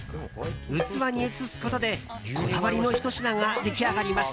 器に移すことでこだわりのひと品が出来上がります。